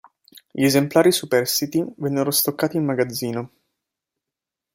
Gli esemplari superstiti vennero stoccati in magazzino.